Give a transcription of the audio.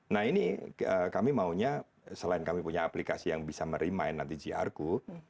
nah ini kami maunya selain kami punya aplikasi yang bisa merimin nanti grco